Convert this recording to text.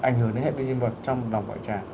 ảnh hưởng đến hệ vi sinh vật trong đồng gọi tràng